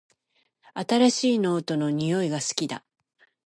新しいノートの匂いが好きだ